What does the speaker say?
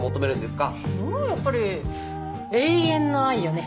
やっぱり永遠の愛よね。